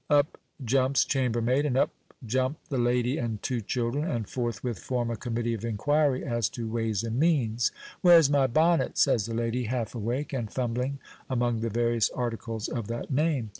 Up jumps chambermaid, and up jump the lady and two children, and forthwith form a committee of inquiry as to ways and means. "Where's my bonnet?" says the lady, half awake, and fumbling among the various articles of that name.